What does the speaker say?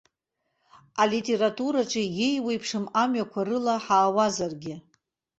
Алитератураҿы еиуеиԥшым амҩақәа рыла ҳаауазаргьы.